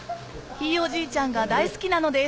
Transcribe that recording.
ひいおじいちゃんが大好きなのです